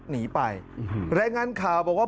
หนีไปและงั้นข่าวบอกว่า